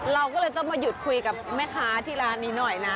เราก็เลยต้องมาหยุดคุยกับแม่ค้าที่ร้านนี้หน่อยนะ